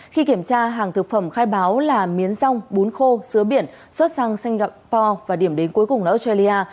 khi kiểm tra hàng thực phẩm khai báo là miến rong bún khô biển xuất sang singapore và điểm đến cuối cùng là australia